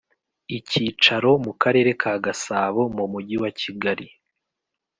icyicaro mu karere ka Gasabo mu Mujyi wa kigali